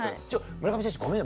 村上選手ごめん